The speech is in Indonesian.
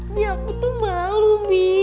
mi aku tuh malu mi